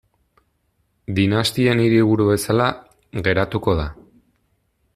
Dinastien hiriburu bezala geratuko da.